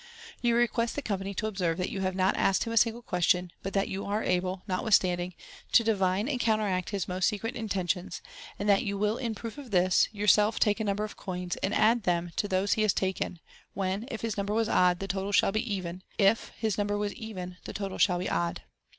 You request the company to observe that you have not asked him a single question, but that you are able, notwith standing, to divine and counteract his most secret intentions, anH that you will in proof of this, yourself take a number of coins, and add them to those he has taken, when, if his number was odd, the total shall be even ; if his number was even, the total shall be odd.